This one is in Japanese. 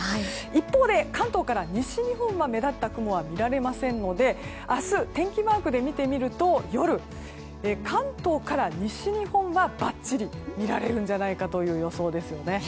一方、関東から西日本は目立った雲は見られませんので明日、天気マークで見てみると夜、関東から西日本はばっちり見られるんじゃないかという予想ですね。